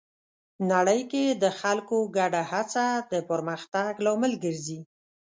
نړۍ کې د خلکو ګډه هڅه د پرمختګ لامل ګرځي.